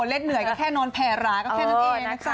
เล่นเหนื่อยก็แค่นอนแผ่หราก็แค่นั้นเองนะจ๊